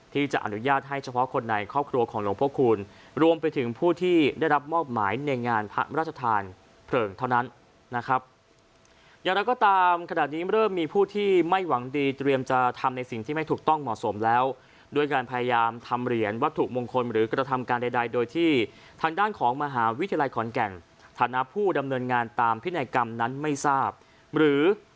ที่จะอนุญาตให้เฉพาะคนในครอบครัวของหลวงพระคูณรวมไปถึงผู้ที่ได้รับมอบหมายในงานพระราชทานเพลิงเท่านั้นนะครับอย่างไรก็ตามขนาดนี้เริ่มมีผู้ที่ไม่หวังดีเตรียมจะทำในสิ่งที่ไม่ถูกต้องเหมาะสมแล้วด้วยการพยายามทำเหรียญวัตถุมงคลหรือกระทำการใดใดโดยที่ทางด้านของมหาวิทยาลัยขอนแก่นฐานะผู้ดำเนินงานตามพินัยกรรมนั้นไม่ทราบหรือ